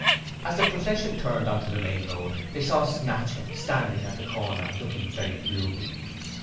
As the procession turned into the main road, they saw Snatchum standing at the corner looking very gloomy.